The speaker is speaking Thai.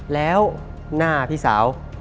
แล้วหน้าพี่สาว